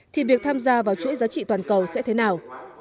thì việc tham gia vào chuỗi giá trị toàn cầu sẽ thế nào